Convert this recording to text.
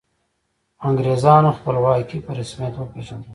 انګریزانو خپلواکي په رسمیت وپيژندله.